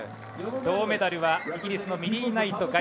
銅メダルはイギリスのミリー・ナイト。